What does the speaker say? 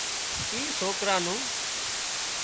اِي سوڪرا نو